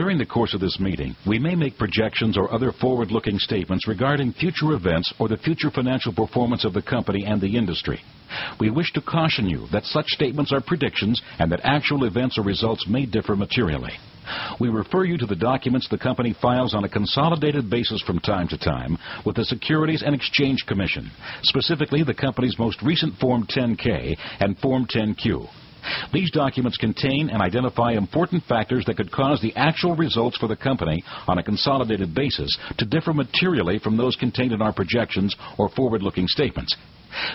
During the course of this meeting, we may make projections or other forward looking statements regarding future events the future financial performance of the company and the industry. We wish to caution you that such statements are predictions and that actual events or results may differ materially. We refer you to the documents the company files on a consolidated basis from time to time with the Securities And Exchange Commission. Specifically the company's most recent Form 10 K and Form 10 Q. These documents contain and identify important factors that could cause the actual results for the company on a consolidated basis to differ materially from those contained in our projections or forward looking statements.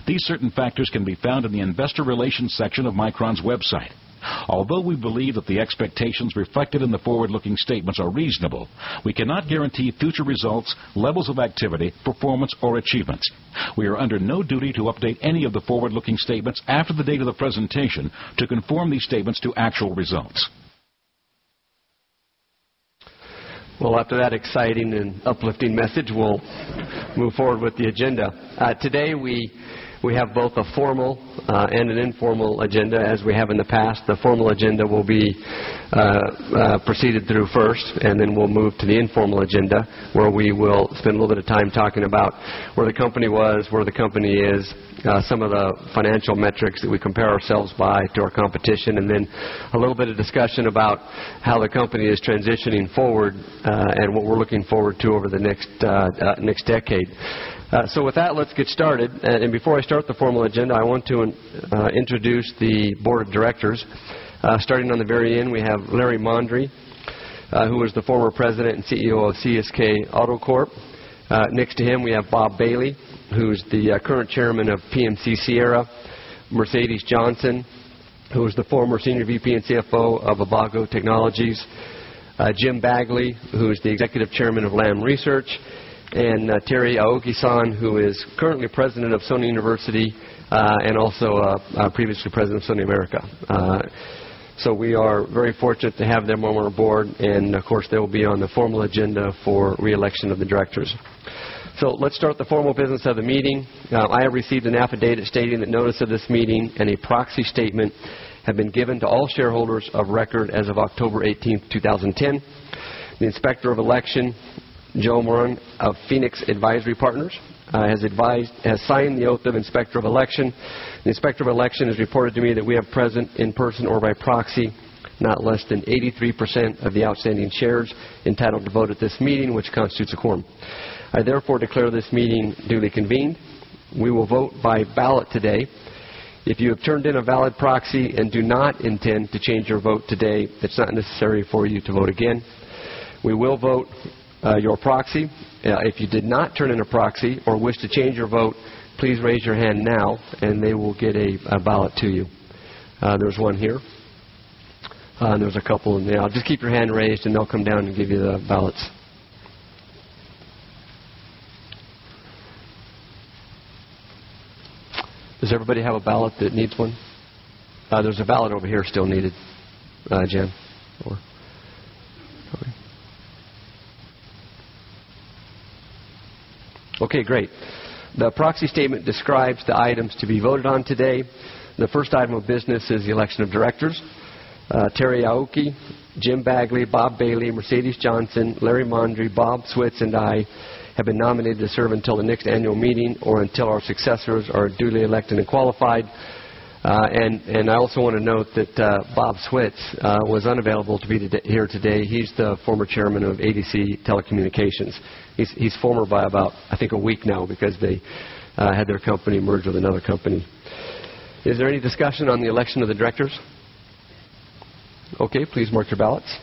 These certain factors can be found in the Investor Relations section of Micron's Web site. Although we believe that the expectations reflected in the forward looking statements are reasonable, we cannot guarantee future results levels of activity, performance, or achievements. We are under no duty to update any of the forward looking statements after the date of the presentation to conform these statements to actual results. Well, after that exciting and uplifting message, we'll move forward with the agenda. Today, we We have both a formal and an informal agenda as we have in the past. The formal agenda will be, proceeded through first. And then we'll move to the informal agenda where we will spend a little bit of time talking about where the company was, where the company is, some of the financial metrics that we compare ourselves by to our competition and then a little bit of discussion about how the company is transitioning forward and what we're looking forward to over the next, next decade. So with that, let's get started. And before I start the formal agenda, I want to introduce the board of directors, starting on the very end. We have Larry Mondry, who is the former president and CEO of CSK Auto Corp. Next to him, we have Bob Bailey, who's the current chairman of PMC Sierra, Mercedes Johnson, who is the former Senior VP and CFO of Abago Technologies, Jim Bagley, who is the Executive Chairman of Lam Research, and, Terry Aoki Son, who is currently president of Sony University, and also, previously president of Sony America. So we are very fortunate to have them when we're aboard, and of course, they will be on the formal agenda for reelection of the directors. So let's start the formal business of the meeting I have received an affidavit stating that notice of this meeting and a proxy statement have been given to all shareholders of record as of October 18 2010, The Inspector of Election, Joe Moran of Phoenix Advisory Partners has advised has signed the oath of Inspector of Election In Inspector of Election has reported to me that we have present in person or by proxy, not less than 83% of the outstanding shares entitled to vote at this meeting, which constitutes a quorum. I, therefore, declare this meeting duly convened. We will vote by ballot today. If you have turned in a valid proxy and do not intend to change your vote today, it's not necessary for you to vote again. We will vote your proxy. If you did not turn into proxy or wish to change your vote, please raise your there. I'll just keep your hand raised, and they'll come down and give you the ballots. Does everybody have a ballot that needs 1? There's a ballot over here still needed, Jim, or Okay. Great. The proxy statement describes the items to be voted on today, The first item of business is the election of directors, Terry Aoki, Jim Bagley, Bob Bailey, Mercedes Johnson, Larry Mondry, Bob Switz, and I have been nominated to serve until the next annual meeting or until our successors are duly elected and qualified, and and I also want to note that, Bob Swit, was unavailable to be here today. He's the former chairman of ADC Telecommunications. He's he's former by about, I think, a week now because they had their company merge with another company. Is there any discussion on the election of the directors? Okay. Please mark your ballots.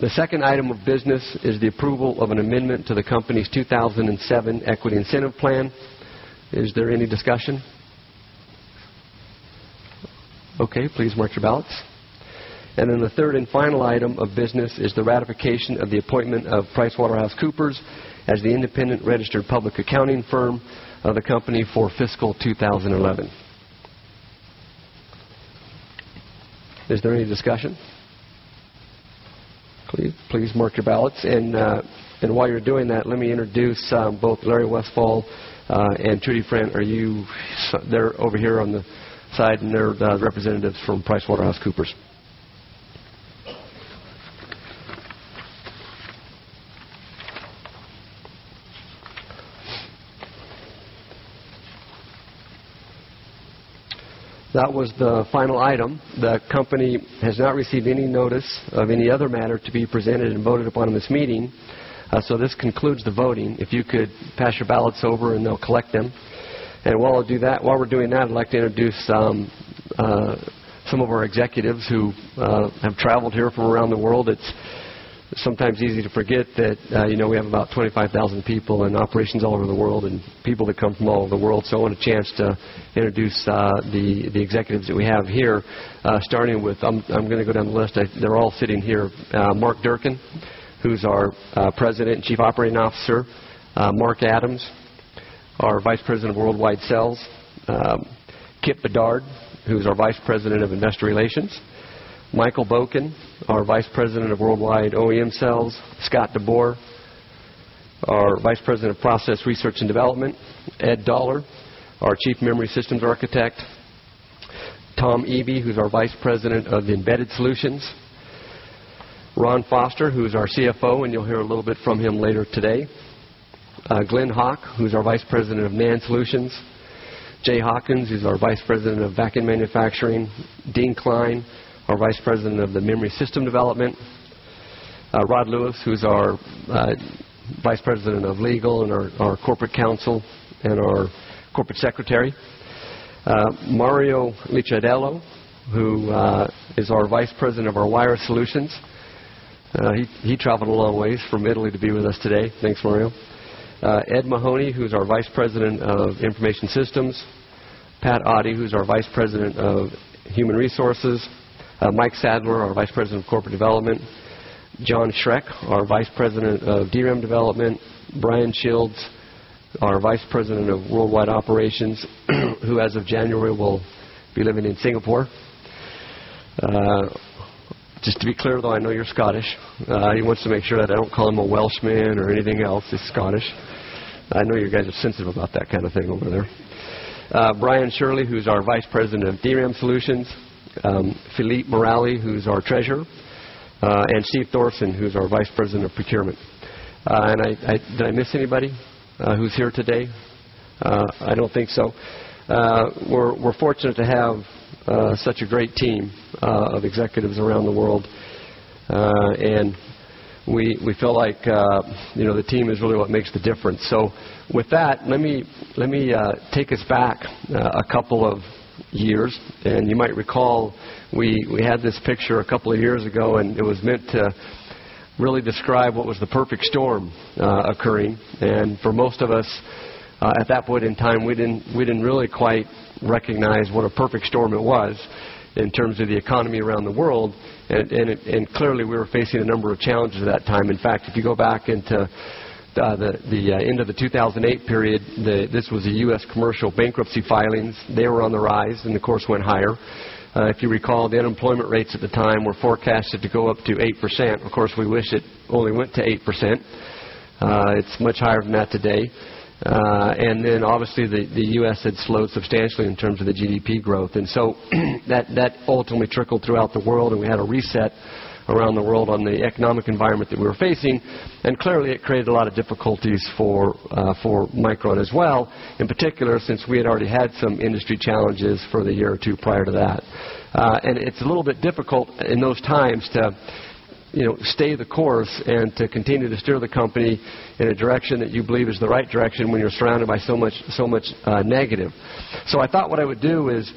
The second item of business is the approval of an amendment to the company's 2007 equity incentive plan. Is there any discussion? Okay, please merge your ballots. And then the 3rd and final item of business is the ratification of the appointment of PricewaterhouseCoopers as the independent registered public accounting firm of the company for fiscal 2011. Is there any discussion? Please mark your ballots. And while you're doing that, let me introduce both Larry Westfall and Trudy Fran, are you there over here on the side and their representatives from PricewaterhouseCoopers? That was the final item. The company has not received any notice of any other matter to be presented and voted upon on this meeting, so this concludes the voting. If you could pass your ballots over and they'll collect them, And while I do that, while we're doing that, I'd like to introduce some, some of our executives who, have traveled here from around the world. It's sometimes easy to forget that, you know, we have about 25,000 people in operations all over the world and people that come from all over the world. So I want a chance to introduce, the, the executives that we have here, starting with, I'm going to go down the list. They're all sitting here, Mark Durkin, who's our, president and chief operating officer, Mark Adams, our Vice President of Worldwide Sales, Kate Bedard, who is our Vice President of Investor Relations, Michael Bogan, our Vice President of Worldwide OEM Cells, Scott Deboer, our Vice President of Process Research And Development Ed Doller, our Chief Memory Systems Architect Tom Eby, who's our vice president of the Embedded Solutions Ron Foster, who is our CFO, and you'll hear a little bit from him later today. Glenn Hawk, who's our vice president of NAND Solutions Jay Hawkins, who's our vice president of Vacant Manufacturing, Dean Klein, our vice president of the memory system development, Rod Lewis, who's our, vice president of legal and our our corporate council, and our corporate secretary. Mario Michadello, who, is our vice president of our wire solutions He he traveled a lot of ways for Middle East to be with us today. Thanks, Mario. Ed Mahoney, who is our vice president of Information Systems, Pat Ottie, who's our vice president of human resources, Mike Sadler, our vice president of corporate Development, John Shrek, our vice president of DRAM Development, Brian Shields, our vice president of worldwide operations, who, as of January, will be living in Singapore. Just to be clear though, I know you're Scottish. He wants to make sure that they don't call him a Welshman or anything else. This is Scottish. I know you guys are sensitive about that kind of thing over there. Brian Shirley, who's our Vice President of DRAM Solutions, Philippe Morali, who's our treasure, and Steve Thorson, who's our vice president of procurement. And I I did I miss anybody, who's here today? I don't think so. We're fortunate to have such a great team of executives around the world, and we we feel like, you know, the team is really what makes the difference. So with that, let me, let me, take us back a couple of years And you might recall, we we had this picture a couple of years ago, and it was meant to really describe what was the perfect storm, occurring. And for of us, at that point in time, we didn't we didn't really quite recognize what a perfect storm it was in terms of the economy around the world, and clearly, we were facing a number of challenges at that time. In fact, if you go back into the end of the 2008 period, this was a U. S. Commercial two filings, they were on the rise and the course went higher. If you recall, the unemployment rates at the time were forecasted to go up to 8%. Of course, we wish it only went to 8% It's much higher than that today. And then obviously the U. S. Had slowed substantially in terms of the GDP growth. And so that ultimately trickled throughout the world, and we had a reset around the world on the economic environment that we were facing. And clearly, it created a lot of difficulties for for Micron as well in particular since we had already had some industry challenges for the year or 2 prior to that. And it's a little bit difficult in those times to you know, stay the course and to continue to steer the company in a direction that you believe is the right direction when you're surrounded by so so much negative. So I thought what I would do is,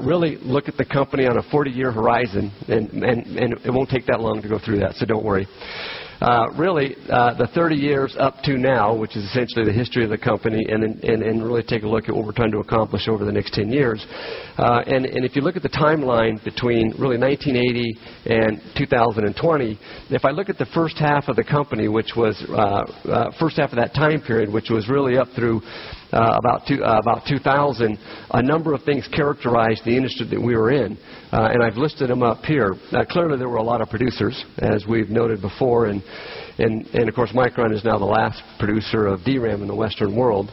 really look at the company on a 40 year horizon and and and it won't take that long to go through that. So don't worry. Really, the 30 years up to now, which is essentially the history of the company and really take a look at what we're trying to accomplish over the next 10 years, and and if you look at the timeline between really 19802020, and if I look at the first half of the company, which was first half of that time period, which was really up through, about 2, about 2000, a number of things characterized the industry that we were in, and I've listed them up here. Clearly, there were a lot of producers, as we've noted before, and and and, of course, Micron is now the last producer of DRAM in the Western world,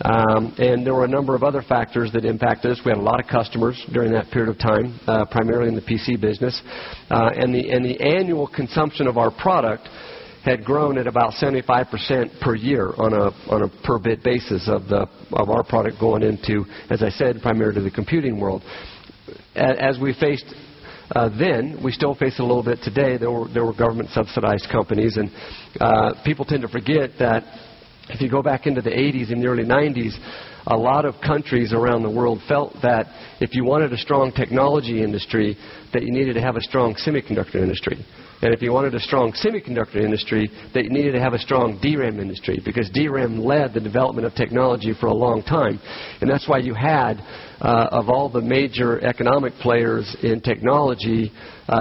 And there were a number of other factors that impacted us. We had a lot of customers during that period of time, primarily in the PC business, and the and the annual consumption of our product had grown at about 75% per year on a on a per bit basis of the of our product going into, as I said, primarily to the computing world, as we faced, then we still face a little bit today. There were there were government subsidized companies. And, people tend to forget that if you go back into the eighties and the early nineties, a lot of countries around the world felt that if you wanted a strong technology industry that you needed to have a strong semiconductor industry, and if you wanted a strong semiconductor industry, needed to have a strong DRAM industry because DRAM led the development of technology for a long time, and that's why you had, of all the major economic players in technology,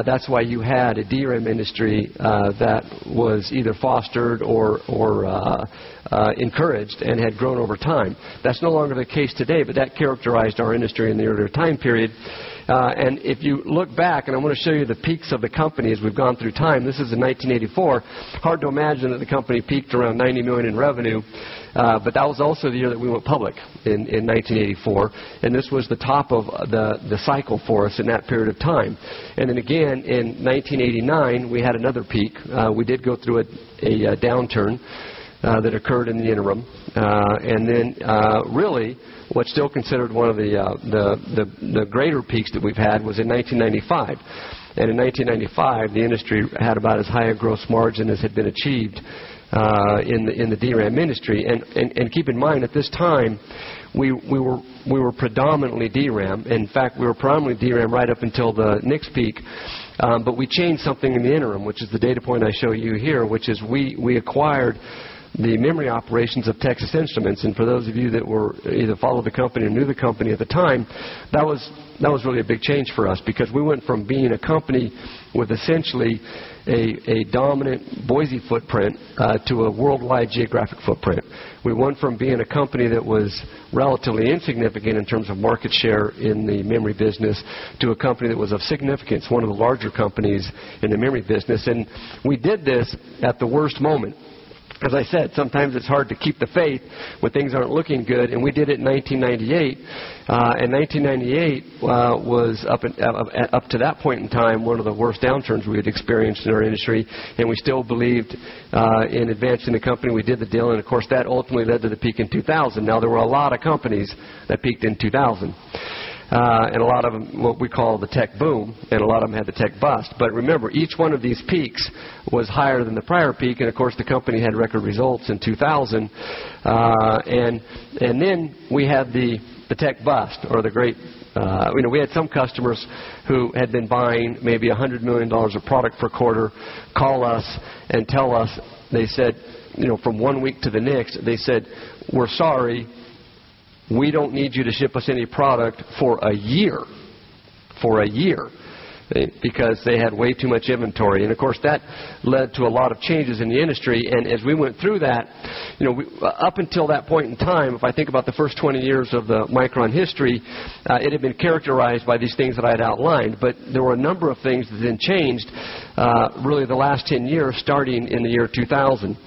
that's why you had a DRAM industry, that was either fostered or encouraged and had grown over time. That's no longer the case today, but that characterized our industry in the earlier time period, and you look back, and I'm going to show you the peaks of the company as we've gone through time, this is in 1984, hard to imagine that the company peaked around $90,000,000 in revenue, but that was also the year that we went public in 1984, and this was the top of the cycle for us in that period of time. And then again, in 1989, we had another peak. We did go through a a downturn that occurred in the interim, and then, really, what's still considered one of the greater peaks that we've had was in 1995. And in 1995, the industry had about as higher gross margin as had been achieved in the DRAM industry. And keep in mind, at this time, we were predominantly DRAM RAM. In fact, we were probably DRAM right up until the next peak, but we changed something in the interim, which is the data point I show you here, which is we we acquired the memory operations of Texas Instruments, and for those of you that were either followed the company or knew the company at the time, that was that was really a big change for us because we went from being a company with essentially a dominant Boise footprint, to a worldwide geographic footprint. We went from being a company that was relatively insignificant in terms of market share in the memory business to a company that was of significance, one of the larger companies in the memory business, and we did this at the worst moment. As I said, sometimes it's hard to keep the faith when things aren't looking good, and we did it 1998, in 1998, was up and up to that point in time, one of the worst downturns we had experienced in our industry, and we still believed in advance in the company we did the deal. And of course, that ultimately led to the peak in 2000. Now there were a lot of companies that peaked in 2000. And a lot of them, what we call the tech boom, and a lot of them had the tech bust. But remember, each one of these peaks was higher than the prior peak, and, of course, the company had record results in 2000, and and then we had the the tech bust or the great, you know, we had some customers who had been buying maybe a $100,000,000 of product for quarter, call us and tell us they said, you know, from 1 week to the next, they said we're sorry, we don't need you to ship us any product for a year, for a year, because they had way too much inventory. And of course, that led to a lot of changes in the industry and as we went through that, you know, we up until that point in time, if I think about the 1st 20 years of the Micron history, it had been characterized by these things that I had outlined, but there were a number of things that then changed really the last 10 years starting in the year 2000.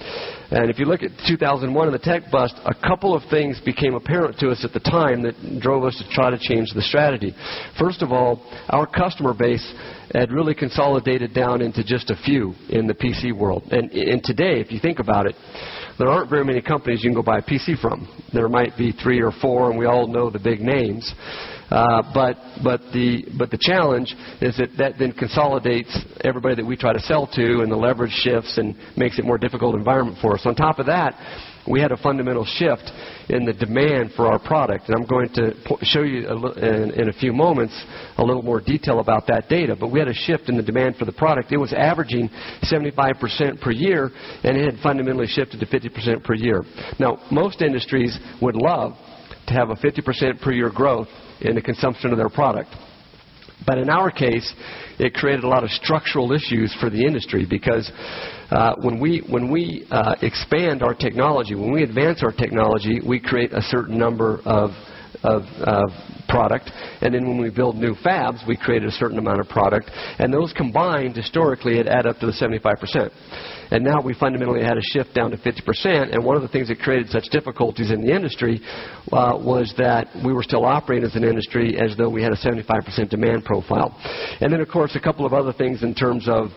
And if you look at 2001 and the tech bust, a couple of things became apparent to us at the time that drove us try to change the strategy. First of all, our customer base had really consolidated down into just a few in the PC world. And today, if you think about it, There aren't very many companies you can go buy a PC from. There might be 3 or 4, and we all know the big names. But but the but the challenge is that that then consolidates everybody that we try to sell to and the leverage shifts and makes it more difficult environment for us. On top of that, we had a fundamental shift in the demand for our product. And I'm going to show you in a few moments a little more detail about that data, but we had a shift in the demand for the product. It was averaging 75% per year, and it had fundamentally shifted to 50% per year. Now most industries would love to have a 50% per year growth in the consumption of their product. But in our case, it created a lot of structural issues for the industry because when we when we expand our technology, when we advance our technology, we create a certain number of of product And then when we build new fabs, we created a certain amount of product, and those combined historically had add up to the 75%. And now we fundamentally had down to 50% and one of the things that created such difficulties in the industry, was that we were still operating as an industry as though we had a 75% demand profile And then, of course, a couple of other things in terms of,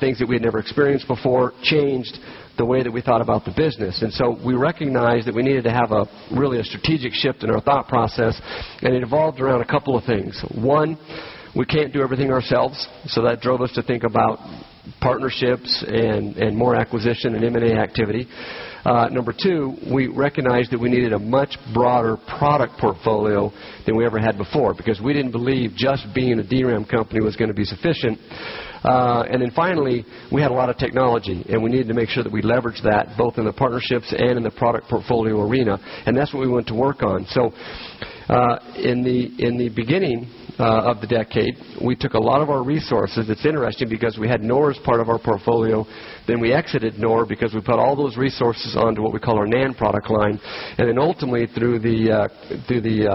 things that we had never experienced before changed the way that we thought about the business. And so we recognized that we needed to have a really a strategic shift in our thought process, and it evolved around a couple of things. 1, we can't do everything ourselves, so that drove us to think about partnerships and more acquisition and M and A activity. Number 2, we recognized that we needed a much broader product portfolio than we ever had before because we didn't believe just being a DRAM company was going to be sufficient, and then finally, we had a lot of technology needed to make sure that we leverage that both in the partnerships and in the product portfolio arena and that's what we want to work on. So, in the in the beginning, of the decade, we took a lot of our resources. It's interesting because we had Nora's part of our portfolio, then we exited Nora because we put all those resource on to what we call our NAND product line. And then ultimately through the, through the,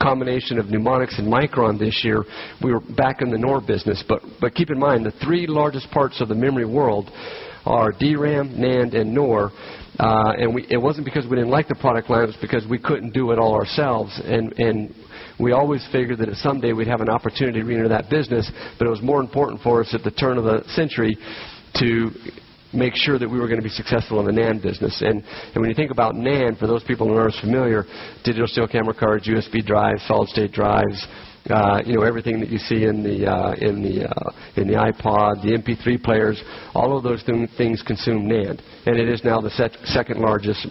combination of mnemonics and Micron this year, we were back in the NOR business, but but keep in mind, the 3 largest parts of the memory world are DRAM, NAND, and NOR, and we it wasn't because we didn't like the product lines because we couldn't do it all ourselves, and and we always figured that at some day, we'd have an opportunity to reenter that business, but it was more important for us at the turn of the century to make sure that we were going to be successful on the NAND business. And and when you think about NAND, for those people who are familiar, digital steel camera cards, USB drives, solid state drives, you know, everything that you see in the, in the, in the iPod, the MP3 players, all of those things consumed NAND. And it is now the 2nd largest,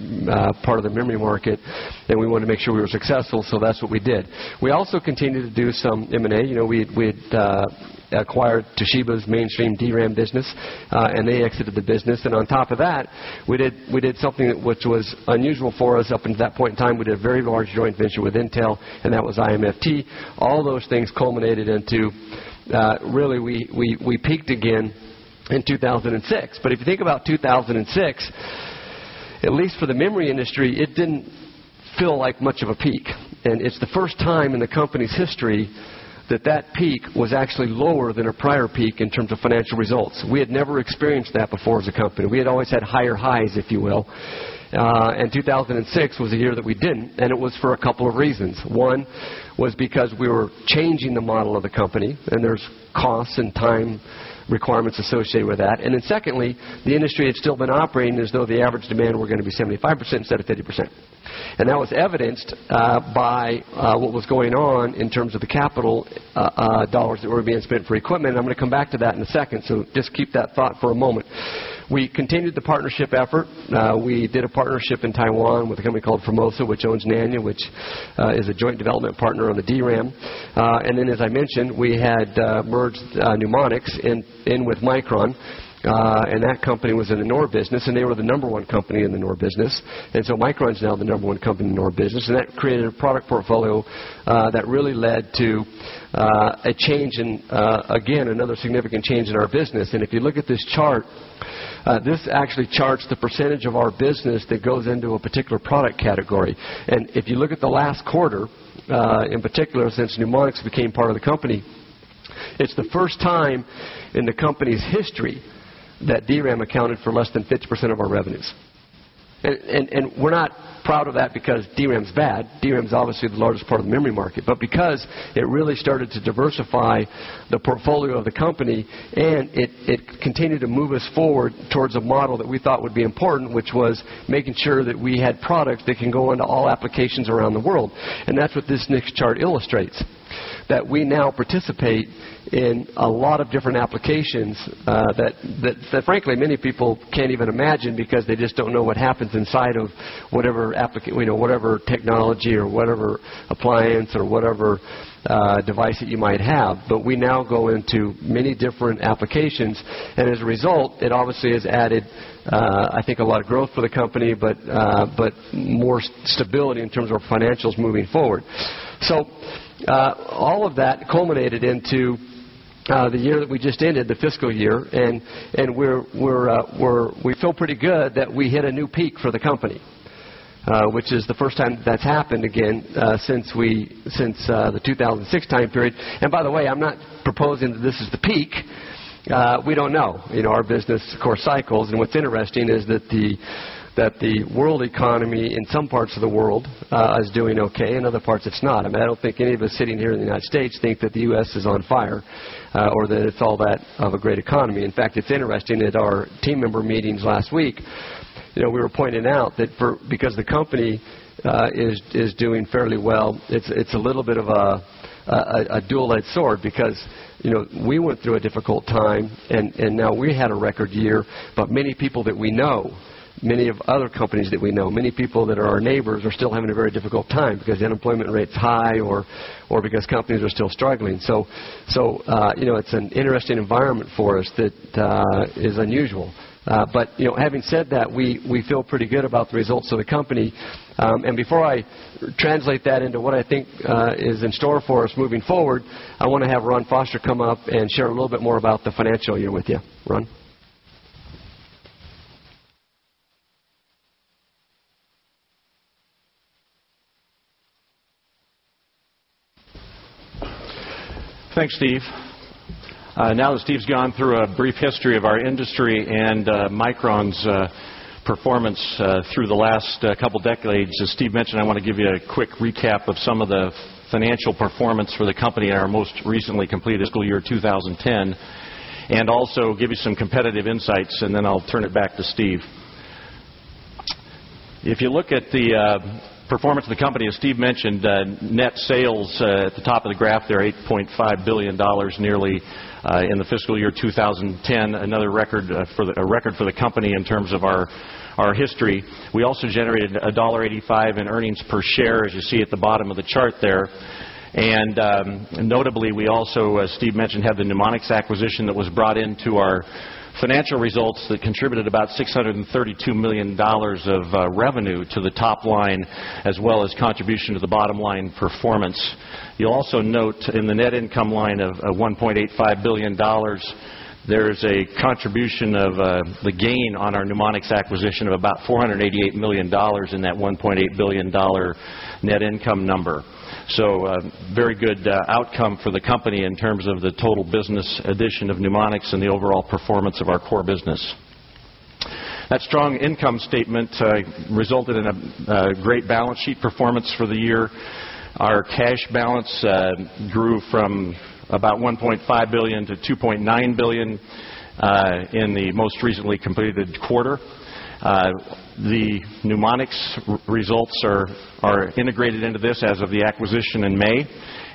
part of the memory market, then we want to make sure we were successful. So that's what we did. We also continue to do some M and A, you know, we acquired Toshiba's mainstream DRAM business and they exited the business and on top of that, We did we did something that which was unusual for us. Up into that point in time, we did a very large joint venture with Intel, and that was IMFT. All those things culminated into really we we we peaked again in 2006. But if you think about 2006, at least for the memory industry, it didn't feel like much of a peak, and it's the first time in the company's history that that peak was actually lower than a prior peak in terms of financial We had never experienced that before as a company. We had always had higher highs, if you will, and 2006 was a year that we didn't, and it was for a couple of reasons. 1, was because we were changing the model of the company, and there's costs and time requirements associated with that. And then secondly, industry had still been operating as though the average demand were going to be 75% instead of 30% and that was evidenced by what was going on in terms of the capital dollars that we're being spent for equipment. I'm gonna come back to that in a second, so just keep that thought for a moment. We continued the partnership effort We did a partnership in Taiwan with a company called Formosa, which owns Nania, which is a joint development partner on the DRAM. And then as I mentioned, we had, merged mnemonics in in with Micron, and that company was in the NOR business, and they were the number one company in the NOR business. So Micron is now the number one company in our business and that created a product portfolio that really led to a change in significant change in our business. And if you look at this chart, this actually charts the percentage of our business that goes into a particular product category. And if you look at the last quarter, in particular, since NeuMoDx became part of the company, it's the first time in the company's history that DRAM accounted for less than 50 percent of our revenues. And and and we're not proud of that because DRAM is bad. DRAM is obviously the largest part of the memory market, but because it really started that we thought would be important, which was making sure that we had products that can go into all applications around the world, and that's what this next chart illustrates. That we now participate in a lot of different applications, that that that frankly many people can't even imagine because they just don't know what happens inside of whatever applicate, you know, whatever technology or whatever appliance or whatever, device that you might have, but we now go into many different applications And as a result, it obviously has added, I think a lot of growth for the company, but, but more stability in terms of financials moving forward. So all of that culminated into kind of the year that we just ended the fiscal year and and we're we're we're we're we feel pretty good that we hit a new for the company, which is the first time that's happened again, since we since, the 2006 time period. And by the way, I'm not proposing that this is the peak we don't know, you know, our business, of course, cycles, and what's interesting is that the that the world economy in some parts of the world as doing okay and other parts, it's not. I mean, I don't think any of us sitting here in the United States think that the U. S. Is on fire or that it's all of a great economy. In fact, it's interesting that our team member meetings last week, you know, we were pointing out that for because the company is is doing fairly well. It's a little bit of a dual edged sword because, you know, we went through a difficult time and and now we had a record year, but many people that we know, many of other companies that we know, many people that are our neighbors are still having a very difficult time because unemployment rate is high or or because companies are still struggling. So, so, you know, it's an interesting environment for us that, is unusual but, you know, having said that, we, we feel pretty good about the results of the company. And before I translate that into what I think, is in store for us moving forward, I want to have Ron Foster come up and share a little bit more about the financial year with you. Ron. Thanks Steve. Now that Steve's gone through a brief history of our industry and Micron's performance through the last couple decades. As Steve mentioned, I want to give you quick recap of insights, and then I'll turn it back to Steve. If you look at the, performance of the company as Steve mentioned, net sales at the top of the graph, they're $8,500,000,000, nearly in the fiscal year 2010 another record, for the, a record for the company in terms of our, our history. We also generated a $1.85 in earnings per share, as you see at the bottom of the chart there, And, and notably, we also, as Steve mentioned, have the Mnemonics acquisition that was brought into our financial results contributed about $632,000,000 of revenue to the top line as well as contribution to the bottom line performance You'll also note in the net income line of $1,850,000,000, there's a contribution of, the gain on our NeuMoDx acquisition of $488,000,000 in that $1,800,000,000 net income number. So very good outcome for the company in terms of the total business addition mnemonics and the overall performance of our core business. That strong income statement, resulted in a great balance sheet performance for the year Our cash balance grew from about $1,500,000,000 to $2,900,000,000 in the most recently completed quarter. The NeuMoDx results are integrated into this as of the acquisition in May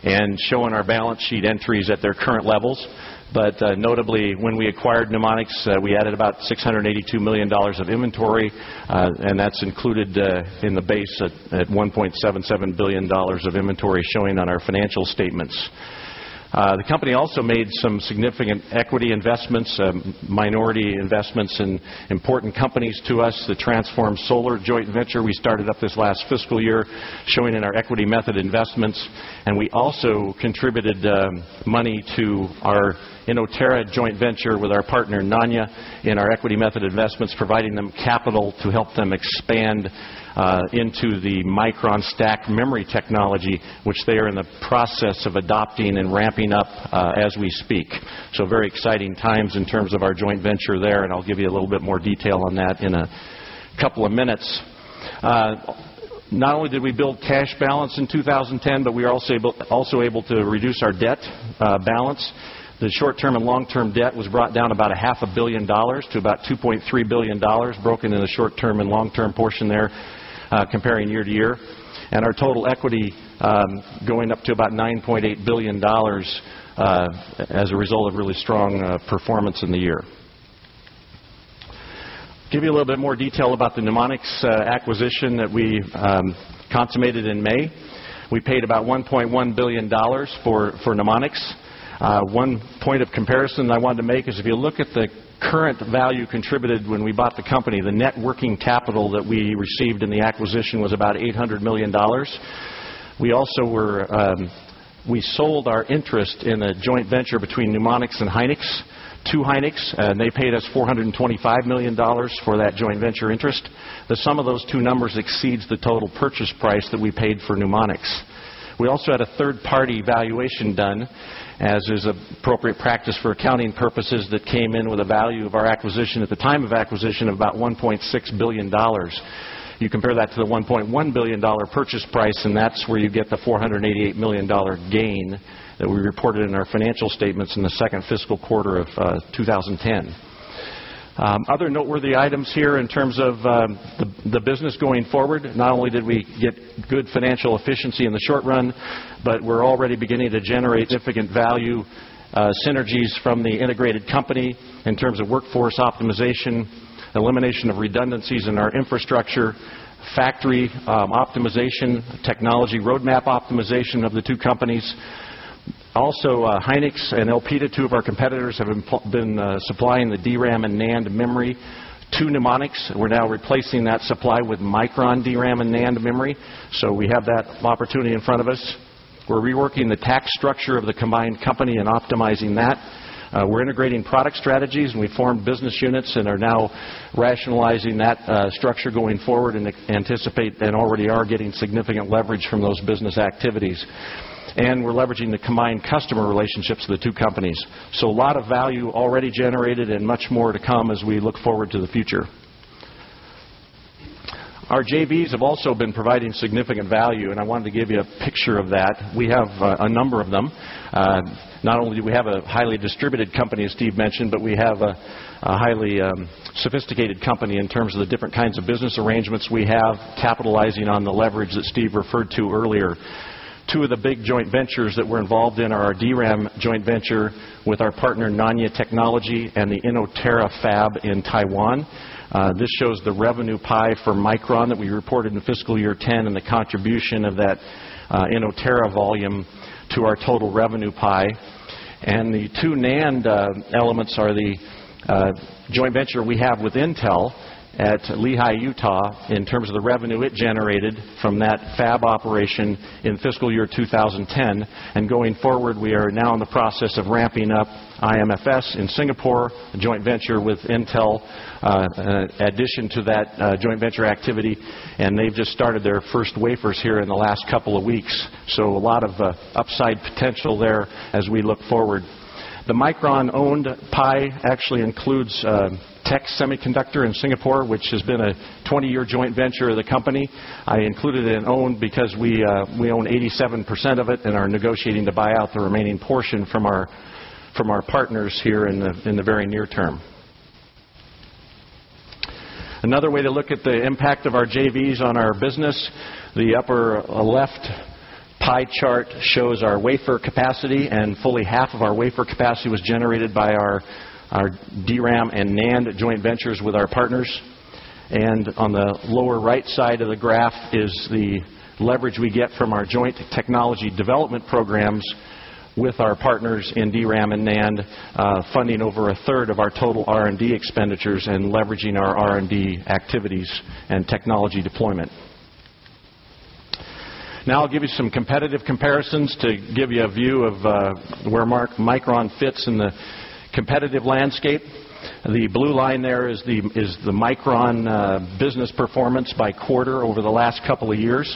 and showing our balance sheet entries at their current levels, But notably, when we acquired NeuMoDx, we added about $682,000,000 of inventory, and that's included in the at $1,770,000,000 of inventory showing on our financial statements. The company also made some significant equity investments, minority investments in important companies to us to transform Solar joint venture. We started up this last fiscal year, showing in our equity method investments, And we also contributed, money to our in Oterra joint venture with our partner, Nania, in our equity method investments providing them process of adopting and ramping up, as we speak. So very exciting times in terms of our joint venture there, and I'll give you a little bit more detail on that in a couple of minutes. Not only did we build cash balance in 2010, but we are also able to reduce our debt balance The short term and long term debt was brought down about $500,000,000 to about $2,300,000,000 broken in the short term and long term portion there comparing year to year. And our total equity, going up to about $9,800,000,000, as a result of really strong performance in the year. Give you a little bit more detail about the NeuMoDx acquisition that we, consummated in May. We paid about $1,100,000,000 for mnemonics. One point of comparison I want to make is if you look at the current value contributed when we bought the company. The net working capital that we received in the acquisition was about $800,000,000. We also were, we sold our interest in a joint venture between mnemonics and Hynix to Hynix and they paid us $425,000,000 for that joint venture interest. The sum of those two numbers exceeds the total purchase price that we paid for mnemonics. We also had a third party valuation done as is appropriate practice for accounting purposes that came in with a value of our acquisition at the time of acquisition of about one point $6,000,000,000. You compare that to the $1,100,000,000 purchase price, and that's where you get the $488,000,000 gain we reported in our financial statements in the 2nd fiscal quarter of 2010. Other noteworthy items here in terms of, the business going forward, not only did we get good financial efficiency in the short run, but we're already beginning to generate significant value synergies from the integrated company in terms of workforce optimization, elimination of redundancies in our infrastructure, factory optimization, technology roadmap optimization of the 2 companies. Also, Hynix and LP to 2 of our competitors have been supply in the DRAM and NAND memory to mnemonics. We're now replacing that supply with Micron DRAM and NAND memory. So we have that opportunity in front of us. We're reworking the tax structure of the combined company and optimizing that. We're integrating product strategies, and we formed business units and are now rationalizing that structure going forward and anticipate and already are getting significant leverage from those business activities. And we're leveraging the combined customer relationships with the 2 companies. So a lot of value already generated and much more to come as we look forward to the future. Our JVs have also been providing significant value, and I wanted to give you a picture of that. We have, a number of them Not only do we have a highly distributed company, as Steve mentioned, but we have a highly, sophisticated company in terms of the different kinds of business arrangements we have capitalizing on the leverage that Steve referred to earlier. 2 of the big joint ventures that were involved in are our DRAM joint venture with our partner Nania Technology and the Innoterra fab in Taiwan. This shows the revenue pie for Micron that we reported in fiscal year 10 and the contribution of that, in Oterra volume to our total revenue pie. And the 2 NAND, elements are the joint venture we have with Intel at Lehi, Utah in terms of the revenue it generated from that fab operation in fiscal year 2010, And going forward, we are now in the process of ramping up I MFS in Singapore, joint venture with Intel, addition to that joint venture activity, and they've just started their first wafers here in the last couple of weeks. So a lot of upside potential there as we look forward. The Micron owned pie actually includes, techsemiconductor in Singapore, which has been a 20 year joint venture of the company. I included it and owned because we, we own 87% of it and are negotiating to buy out the remaining portion from our from our partners here in the in the very near term. Another way to look at the impact of our JVs on our business The upper left pie chart shows our wafer capacity and fully half of our wafer capacity was generated by our our DRAM and NAND joint ventures with our partners. And on the lower right side of the graph is the leverage we get from our joint technology development programs with our partners in DRAM and NAND, funding over a third of our total R and D and comparisons to give you a view of, where Mark Micron fits in the competitive landscape. The blue line there is is the Micron business performance by quarter over the last couple of years.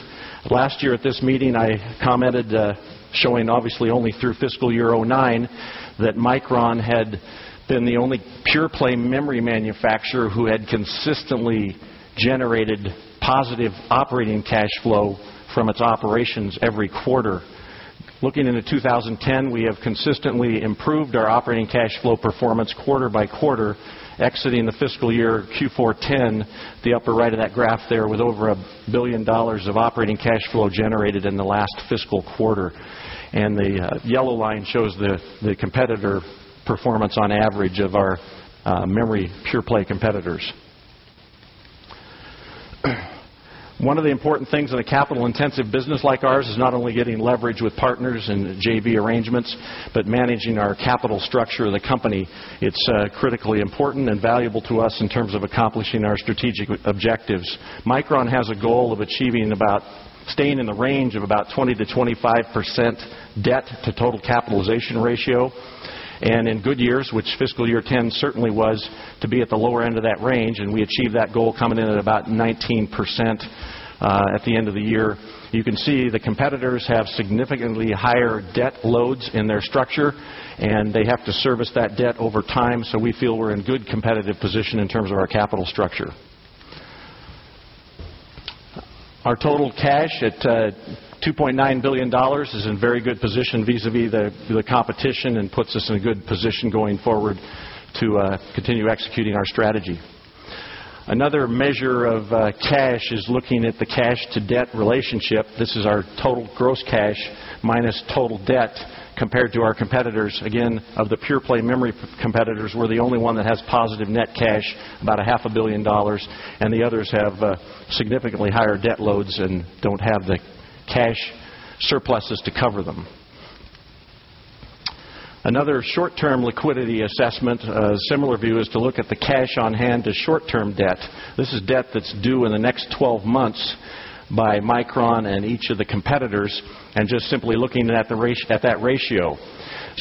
Last year, at this meeting, I commented, showing obviously only through fiscal year 9, that Micron had been the only pure play memory manufacturer who had consistently generated positive operating cash flow consistently improved our operating cash flow performance quarter by quarter, exiting the fiscal year Q4 'ten, the upper right of that graph there, with over a $1,000,000,000 of operating cash flow generated in performance on average of our One of the important things in a capital intensive business like ours is not only getting leverage with partners and JV arrangements, but managing our capital structure of the company It's critically important and valuable to us in terms of accomplishing our strategic objectives. Micron has a goal of achieving about staying in the range of about 20 percent to 25 percent debt to total capitalization ratio. And in good years, which fiscal year 10 certainly was to be at the lower the higher debt loads in their structure, and they have to service that debt over time. So we feel we're in good competitive position in terms of our capital structure. Our total cash at $2,900,000,000 is in very good position vis a vis the competition and puts us in a good position going forward to, continue executing our strategy. Another measure of cash is looking at the cash to debt relationship. This is our total gross cash minus total debt compared to our competitors, again, of the pure play memory competitors, we're the only one that has positive net cash about a $500,000,000, and the others have, significantly higher debt loads and don't have the cash surpluses to cover them. Another short term liquidity assessment, similar view is to look at the cash on hand to short term debt. This is debt that's due in the next 12 months by Micron and each of the competitors and just simply looking at the race at that ratio.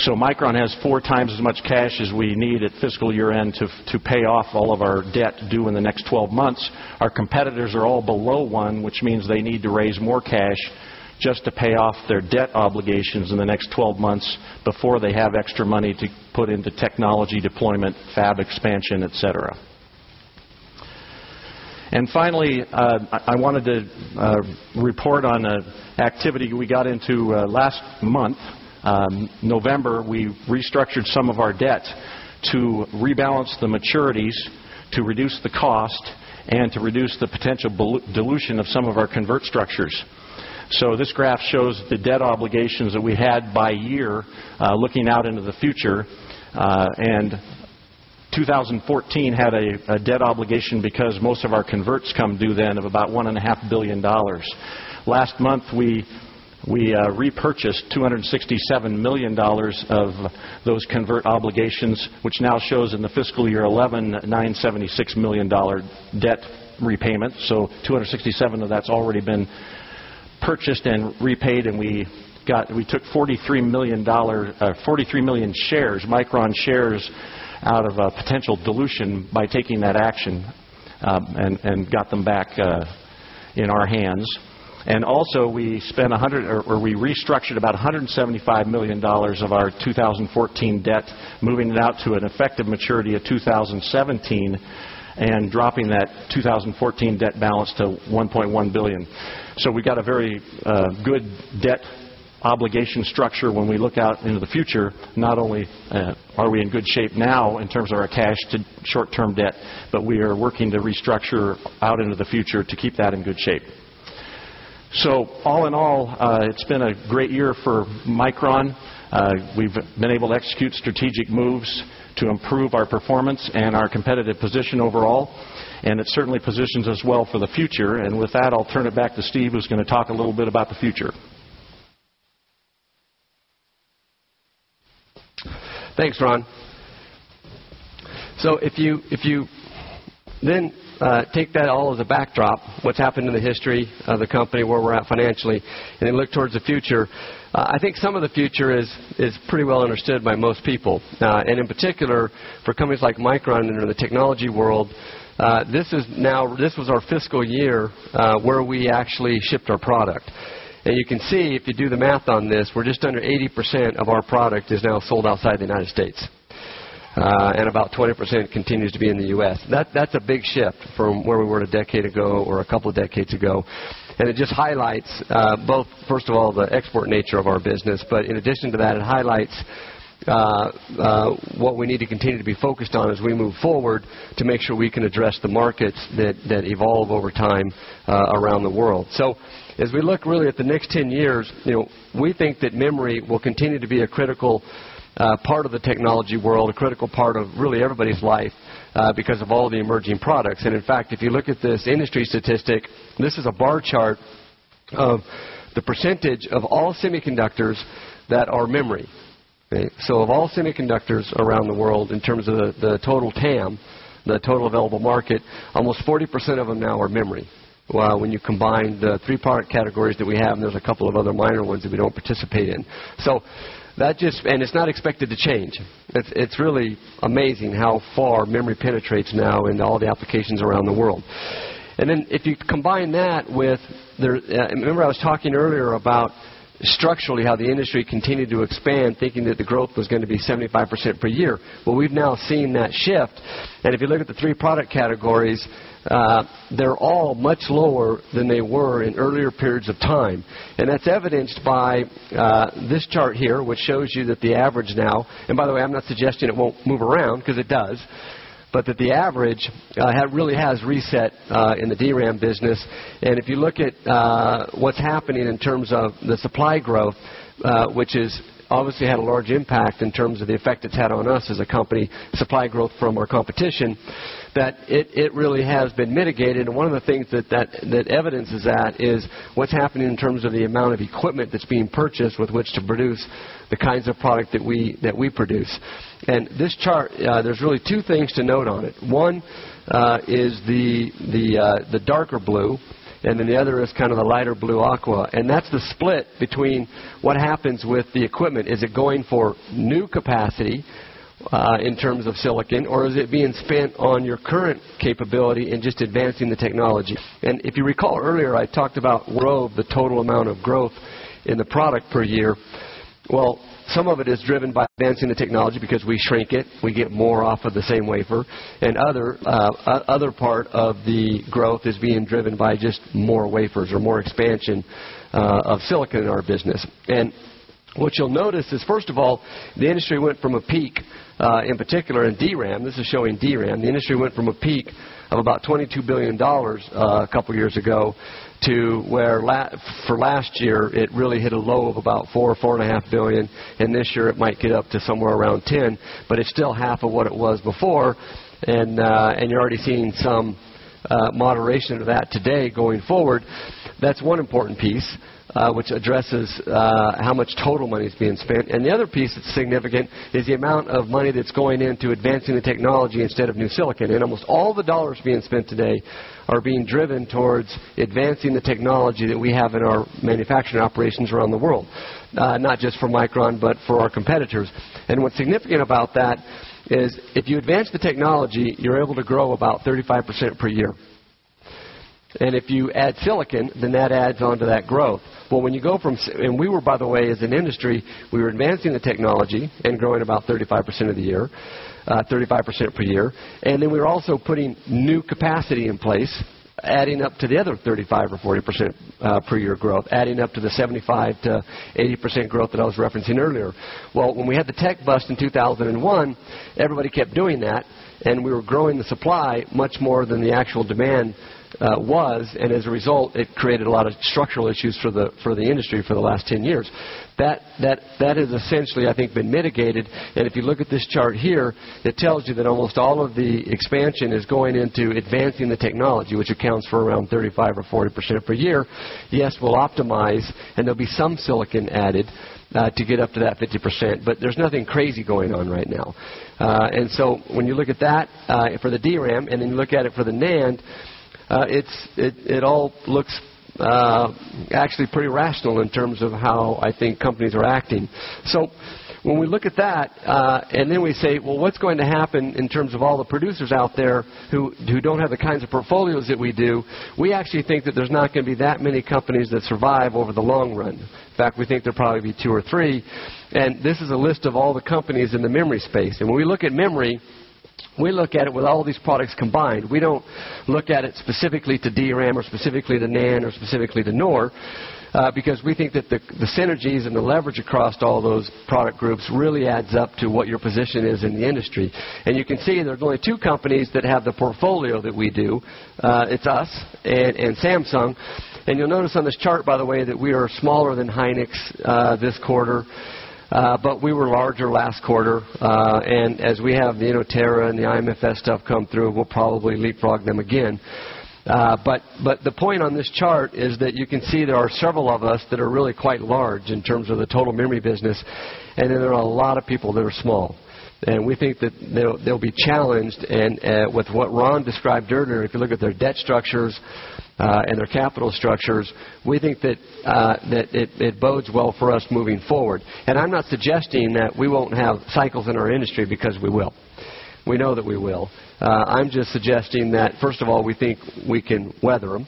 So Micron has four times as much cash as we need at fiscal year end to pay off all of our debt due in the next 12 months. Our competitors are all below 1, which means they need to raise more cash just to payoff their debt obligations in the next 12 months before they have extra money to put into technology deployment, fab expansion, etcetera. And finally, I wanted to, report on a activity we got into, last month, November, we restructured some of our debt to rebalance the maturities to reduce the cost and to reduce the potential dilution of some of our convert structures. So this graph shows the debt obligations that we had by year looking out into come due then of about $1,500,000,000. Last month, we we, repurchased $267,000,000 of those convert obligations, which now shows in the fiscal year $11,976,000,000 debt repayment. So $267,000,000 of that's already been purchased and repaid, and we got we took $43,000,000 43,000,000 shares, Micron shares out of a potential dilution by taking that action, and and got them back, in our hands. And also, we spent 100 or we restructured about $175,000,000 of our 2014 debt, moving it out to effective maturity of 2017 and dropping that 2014 debt balance to $1,100,000,000. So we got a very, good debt obligation structure when we look out into the future, not only are we in good shape now in terms of our cash to short term debt but we are working to restructure out into the future to keep that in good shape. So all in all, it's been a great year for Micron, We've been able to execute strategic moves to improve our performance and our competitive position overall, and it certainly positions us well the future. And with that, I'll turn it back to Steve who's going to talk a little bit about the future. Thanks, Ron. So if you if you then take that all as a backdrop, what's happened in the history of the company, where we're at financially, and they look towards the future. I think some of the future is is pretty well understood by most people, and in particular, for companies like Micron and in the technology world, this is now this was our fiscal year, where we actually shipped our product. And you can see if you do the math on this, we're just under 80% of our product is now sold outside the United States, and about 20% continues to be in the U. S. That's a big shift from where we were a decade ago or a couple of decades ago. And it just highlights, both, first of all, the export nature of our business, but in addition to that, it highlights what we need to continue to be focused on as we move forward to make sure we can address the markets that, that evolve over time, around the world. So as we look really at the next 10 years, you know, we think that memory will continue to be a critical, part of the technology world, a critical part of really everybody's life, because of all the emerging products. And in fact, if you look at this industry statistic, this is a bar chart of the percentage of all semiconductors that are memory. So of all semiconductors around the world in terms of the total TAM, the total available market, almost 40% of them now are memory. When you combine the 3 part categories that we have, and there's a couple of other minor ones that we don't participate in. So that just and it's not expected to change. It's it's really amazing how far memory penetrates now in all the applications around the world. And then if you combine that with there remember I was talking earlier about structurally how the industry continued to expand thinking that the growth was going to be 75% per year but we've now seen that shift. And if you look at the 3 product categories, they're all much lower than they were in earlier periods of time, and that's evidenced by, this chart here, which shows you that the average now, and by the way, I'm not suggesting it won't move around because it does. But that the average, really has reset in the DRAM business and if you look at, what's happening in terms of the supply growth, which is obviously had a large impact in terms of the effect it's had on us as a company supply growth from our competition that it it really has been mitigated. And one of the things that that that evidence is at is what's happening in terms of the amount of equipment that's being purchased with which to produce the kinds of product that we that we produce. And this chart, there's really 2 things to note on it. 1, is the, the, the darker blue and then the other is kind of the lighter blue aqua, and that's the split between what happens with the equipment. Is it going for new capacity in terms of silicon or is it being spent on your current capability in just advancing the technology? And if you recall earlier, I talked about Rogue, the total amount of growth in the product per year. Well, some of it is driven by advancing the technology because we shrink it, we get more off of the same wafer, and other other part of the growth is being driven by just more wafers or more expansion of silicon in our business and What you'll notice is first of all, the industry went from a peak, in particular, in DRAM, this is showing DRAM. The industry went from a of about $22,000,000,000, a couple years ago to where for last year, it really hit a low of about 4,000,000,000 or 4,500,000,000 And this year, it might get up to somewhere around 10, but it's still half of what it was before, and, and you're already seeing some moderation of that today going forward, that's one important piece, which addresses, how much total money is being spent, and the other piece is significant is the amount of money that's going into advancing the technology instead of new silicon, and almost all the dollars being spent today are being driven toward advancing the technology that we have in our manufacturing operations around the world, not just for Micron, but for our competitor And what's significant about that is if you advance the technology, you're able to grow about 35% per year. And if you add silicon, then that adds on to that growth. Well, when you go from and we were, by the way, as an industry, we were advancing the technology and growing about 35% of the year, 35% per year and then we're also putting new capacity in place adding up to the other 35% or 40% per year growth, adding up to the 75% to 80% growth that I was referencing earlier. Well, when we had the tech bust in 2001, everybody kept doing that. And we were growing the supply much more than the actual demand was and as a result, it created a lot of structural issues for the for the industry for the last 10 years. That that that is essentially, I think, been mitigated, and if you look at this chart here, it tells you that almost all of the expansion is going into advancing the which accounts for around 35 or 40 percent per year, yes, we'll optimize and there'll be some silicon added to get up to that 50%, but there's nothing crazy going on right now. And so when you look at that, for the DRAM and then look at it for the NAND, it's it it all looks actually pretty rational in terms of how I think companies are acting. So when we look at that, and then we say, well, what's going to happen in terms of all the producers out there who who don't have the kinds of portfolios that we do, we actually think that there's not gonna be that many companies that survive over the long run. Fact, we think there'll probably be 2 or 3, and this is a list of all the companies in the memory space. And when we look at memory, we look at it with all these products combined. We don't looked at it specifically to DRAM or specifically to NAND or specifically to NOR, because we think that the the synergies and the leverage across all those product groups really adds up to what your position is in the industry. And you can see there are only 2 companies that have the portfolio that we do it's us and Samsung, and you'll notice on this chart, by the way, that we are smaller than Hynix, this quarter, but we were larger last quarter, and as we have Nina and the ImFS stuff come through, we'll probably leapfrog them again. But but the point on this chart is that you can see there are several of us that are really quite large in terms of the total memory business, and then there are a lot of people that are small. And we think that they'll they'll be challenged and with what Ron described Dirdner, if you look at their debt structures, and their capital structures, we think that, that it bodes well for us moving forward and I'm not suggesting that we won't have cycles in our industry because we will. We know that we will. I'm just suggesting that first of all, we think we can weather them,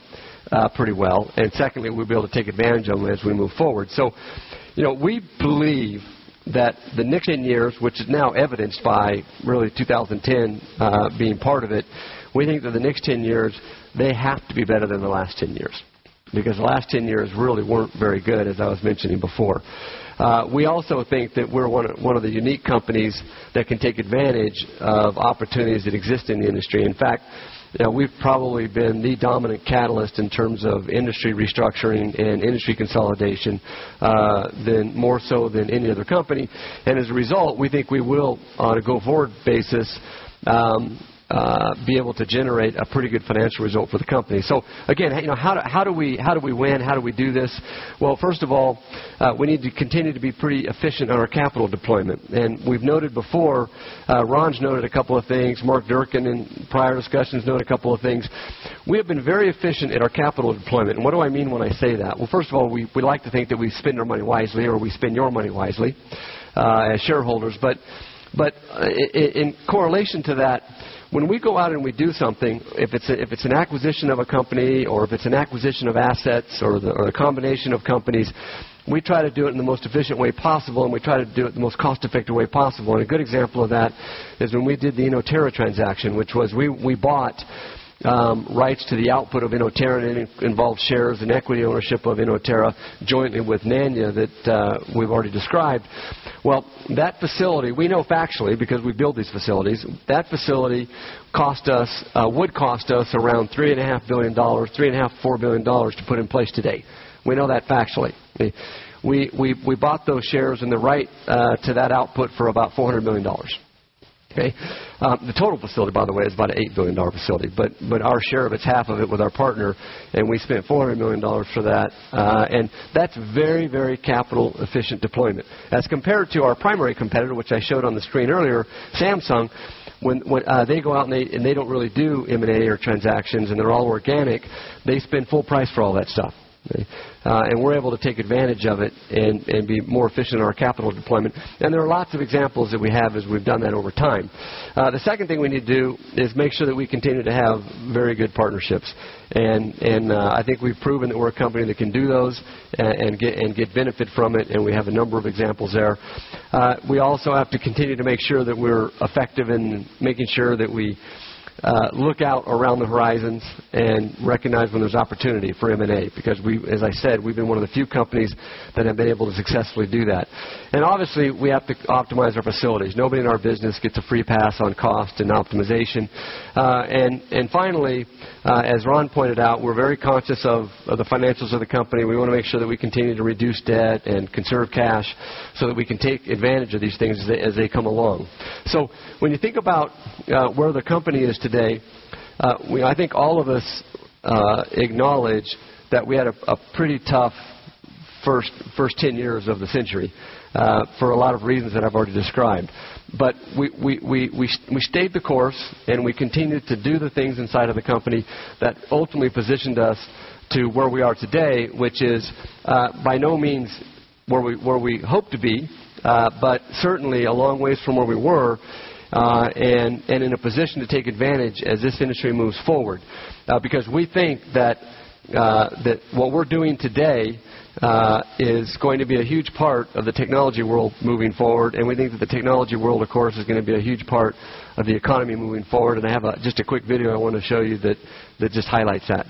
pretty well. And secondly, we'll be able to take advantage of it as we move forward. So you know, we believe that the next 10 years, which is now evidenced by really 2010, being part of it, we think that the next 10 years they have to be better than the last 10 years because the last 10 years really weren't very good as I was mentioning before. We also think that we're one of the unique companies that can take advantage of opportunities that exist in the industry. In fact, we've probably been the dominant catalyst in terms of industry restructuring and industry consolidation than more so than any other company. And as a result, we think we will on a go forward basis, be able to generate a pretty good financial result for the company. So again, you know, how do we, how do we win, how do we do this? Well, first of all, we need to continue to be pretty efficient on our capital deployment. And we've noted before, Ron's noted a couple of things, Mark Durkin and prior discussions, note a couple of things, we have been very efficient at our capital deployment. And what do I mean when I say that? Well, first of all, we, we like to think that we spend our money wisely or we spend your money wisely. As shareholders, but but in correlation to that, when we go out and we do something, if it's if an acquisition of a company or if it's an acquisition of assets or the or a combination of companies, we try to do it in the most efficient way possible, and we try to do it in the most cost effective way One, a good example of that is when we did the Inoterra transaction, which was we we bought, rights to the output of Inoterra in involve shares and equity ownership of in Oterra jointly with Nanya that, we've already described. Well, that facility, we know factually because we've built these facilities, that facility cost us would cost us around 3,500,000,000 dollars, 3,500,000,000 dollars, $4,000,000,000 to put in place to date. We know that factually. We we bought those shares in the right to that output for about $400,000,000, okay? The total facility by the way is about a $8,000,000,000 facility, but but our share of its half of it with our partner and we spent $400,000,000 for that, and that's very, very capital efficient deployment. As compared to our primary competitor, which I showed on the screen earlier, Samsung, when when, they go out and they, and they don't really do M and A or transactions, and they're all organic, they spend full price for all that stuff, right? And we're able to take advantage of it and be more efficient in our capital deployment and there are lots of examples that we have as we've done that over time. The second thing we need to do is make sure that we continue to have very good partnerships. And, and, I think we've proven that we're a company that can do those and get benefit from it, and we have a number of examples there. We also have to continue to make sure that we're effective in making sure that we look out around the horizons and recognize when there's opportunity for M And A because we, as I said, we've been one of the few companies that have been able to successfully do that. And obviously, we have to optimize our facilities. Nobody in our business gets a free pass on cost and optimization. And finally, as Ron pointed out, we're very conscious of the financials of the company. We want to make sure that we continue to reduce debt and conserve cash so that we can take advantage of these things as they come along. So when you think about where the company is today, I think all of us acknowledge that we had a pretty tough 1st 1st 10 years of the century for a lot of reasons that I've already described. But we stayed the course and we continued to do the things inside of the company that ultimately positioned us to where we are today, which is, by no means where we where we hope to be, but certainly, a long ways from where we were, and in a position to take advantage as this industry moves forward because we think that, that what we're doing today is going to be a huge part of the technology world moving forward, and we think that the technology world, of course, is going to be a huge part of the economy moving forward. And I have a just a quick video I want to show you that, that just highlights that.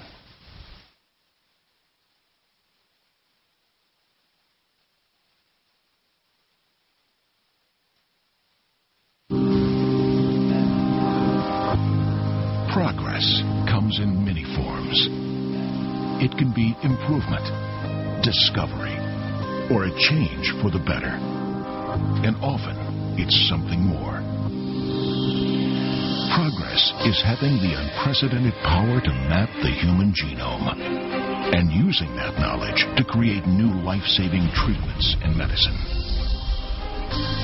Progress comes in many forms. It could be improvement, discovery, or a change for the better. And often, it's something more. Progress is having the unprecedented power to map the human genome and using that knowledge to create new life saving treatments in medicine.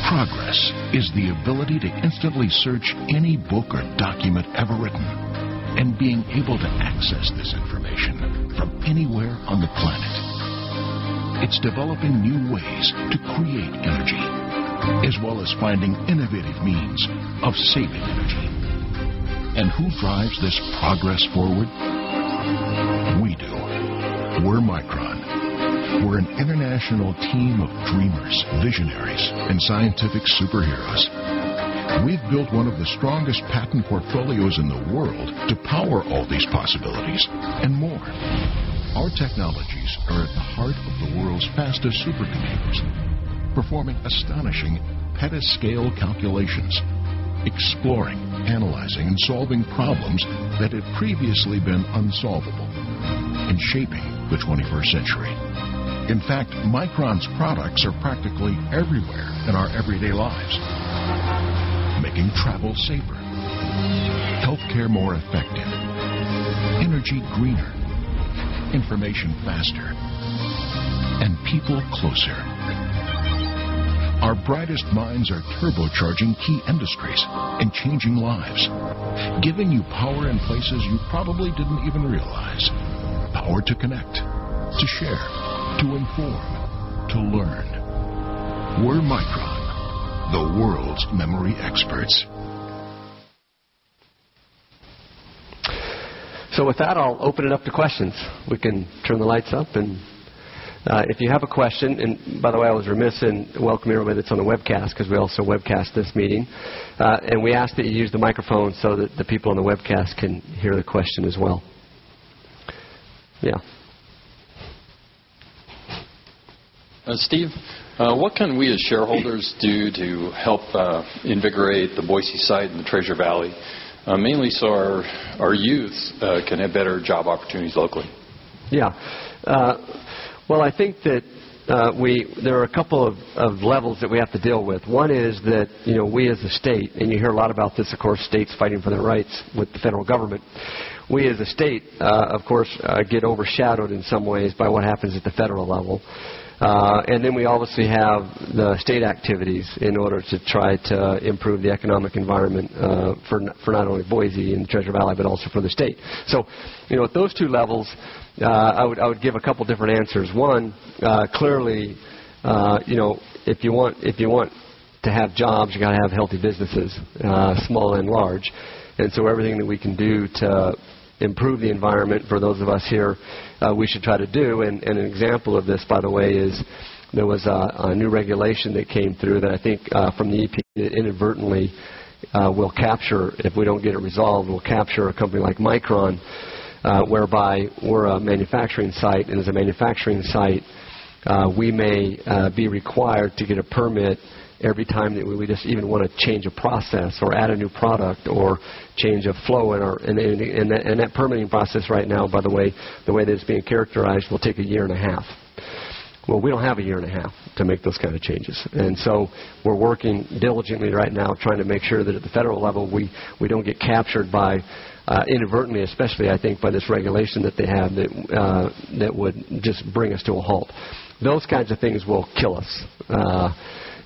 Progress is the ability to instantly search any book or document ever and being able to access this information from anywhere on the planet. It's developing new ways to create energy as well as finding innovative means of saving energy. And who drives this progress forward? We do. We're Micron. We're an international team of dreamers, visionaries, and scientific super heroes. We've built 1 of the strongest patent portfolios in the world to power all these possibilities and more Our technologies are at the heart of the world's fastest supercomputers, performing astonishing petascale calculations. Flooring, analyzing, and solving problems that had previously been unsolvable, and shaping the 21st century. In fact, Micron's products are practically everywhere in our everyday lives, making travel safer. Healthcare more effective. Energy greener, information faster, and people closer. Our brightest minds are turbo charging key industries and changing lives. Giving you power in places you probably didn't even realize, power to connect, to share, to inform, to learn, where micro the world's memory experts. So with that, I'll open it up to questions. We can turn the lights up and if you have a question and, by the way, I was remissing, welcome everybody that's on the webcast because we also webcast this meeting. And we ask that you use the microphone so that the people on the webcast can hear the question as well. Yeah. Steve, what can we as shareholders do to help invigorate the Boise site in the Treasure Valley mainly, so our our youths, can have better job opportunities locally? Yes. Well, I think that we there are a couple of levels that we have to deal with. One is that we as a state and you hear a lot about this, of course, states fighting for their rights with the federal government We as a state, of course, get overshadowed in some ways by what happens at the federal level, and then we obviously have the state activities in to try to improve the economic environment for not only Boise and Treasure Valley, but also for the state. So, you know, at those two levels, I would give a couple different answers. 1, clearly, you know, if you want, if you want to have jobs, you're going to have healthy businesses, small and large. And so everything that we can do to improve the environment for those of us here we should try to do. And an example of this, by the way, is there was a new regulation that came through that I think from the EP inadvertently we'll capture if we don't get it resolved we'll capture a company like Micron whereby we're a manufacturing site and as a manufacturing site we may be required to get a permit every time that we just even want to change a process or add a new product or change of flow in our in in in that in that permitting process right now, by the way, the way that it's being characterized will take a year and a half. Well, we don't have a year and a half to make those kind of changes. And so we're working diligently right now trying to make sure that at the federal level, we we don't get captured by, inadvertently, especially I think by this regulation that they have that that would just bring us to a halt. Those kinds of things will kill us,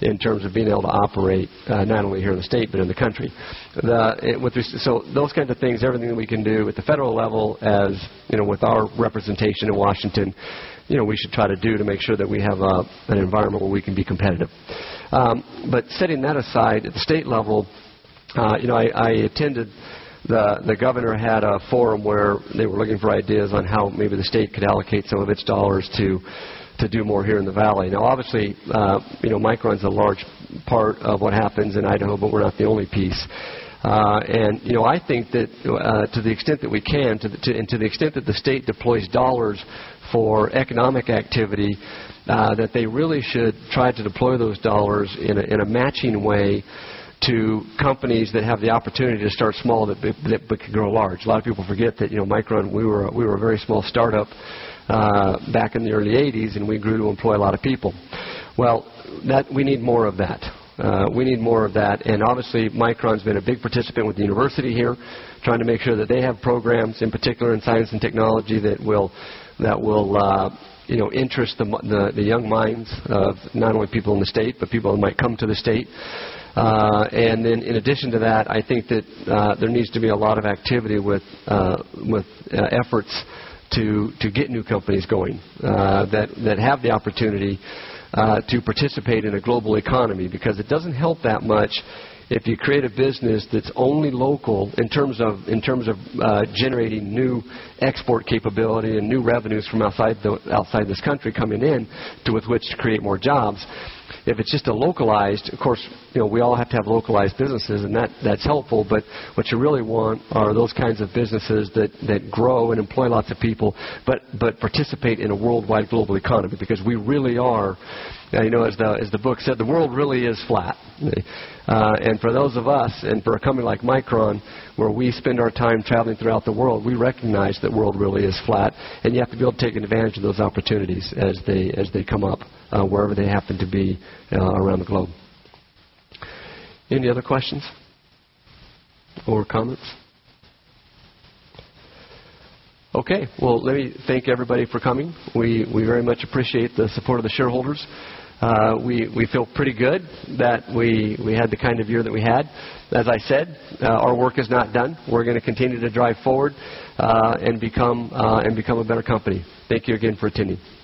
in terms of being able to operate, not only here in the state but in the country. The with this, so those kinds of things, everything that we can do at the federal level as, you know, with our representation in Washington, we should try to do to make sure that we have an environment where we can be competitive. But setting that aside at the state level, you know, I attended the governor had a forum where they were looking for ideas on how maybe the state could allocate some of its dollars to do more here in the valley. Now, obviously, you know, Micron is a large part of what happens in Idaho, but we're not the only piece. And you know, I think that, to the extent that we can to the the state deploys dollars for economic activity, that they really should try to deploy those dollars in a in a matching way to companies that have the opportunity to start small that but can grow large. A lot of people forget that, you know, Micron, we were a very small startup back in the early '80s and we grew to employ a lot of people. Well, that we need more of that. We need more that. And obviously, Micron has been a big participant with the university here trying to make sure that they have programs in particular in science and technology that will that will, you know, interest the the young minds of not only people in the state, but people that might come to the state. And then in addition to that, I think that there needs to be a lot of activity with, with efforts to get new companies going, that have the opportunity to participate in a global economy because it doesn't help that much if you create a business that's only local in terms of, in terms of, generating new export capability and new revenues from outside the outside this country coming in to with which to create more jobs. If it's just a localized course you know, we all have to have localized businesses and that that's helpful, but what you really want are those kinds of businesses that that grow and employ lots of people but but participate in a worldwide global economy because we really are, now you know, as the, as the book said, the world really is flat. And for those of us and for a company like Micron, where we spend our time traveling throughout the world, we recognize that world really is flat you have to be able to take advantage of those opportunities as they come up wherever they happen to be around the globe. Any other questions? Or comments. Okay. Well, let me thank everybody for coming. We very much appreciate the support of the shareholders we we feel pretty good that we we had the kind of year that we had. As I said, our work is not done. We're going to continue to drive forward and become a better company. Thank you again for attending.